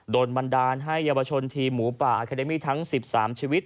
บันดาลให้เยาวชนทีมหมูป่าอาคาเดมี่ทั้ง๑๓ชีวิต